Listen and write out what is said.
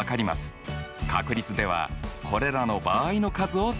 確率ではこれらの場合の数を使いますよ。